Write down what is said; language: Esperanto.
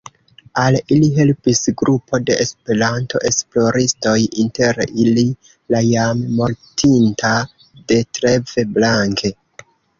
Al ili helpis grupo de Esperanto-esploristoj, inter ili la jam mortinta Detlev Blanke.